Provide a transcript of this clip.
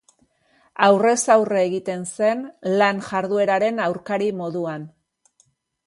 Aurrez-aurre egiten zen lan jardueraren aurkari moduan.